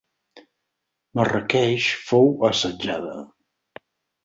Marràqueix fou assetjada.